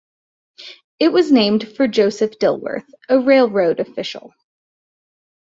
It was named for Joseph Dilworth, a railroad official.